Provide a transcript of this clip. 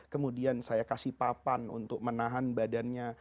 kemudian saya kasih papan untuk menahan badannya